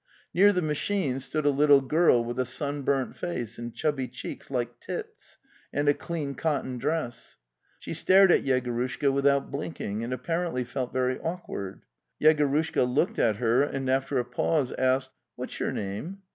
Near the ma chine stood a little girl with a sunburnt face and chubby cheeks like Tit's, and a clean cotton dress. She stared at Yegorushka without blinking, and ap parently felt very awkward. Yegorushka looked at her and after a pause asked: "What's your name?"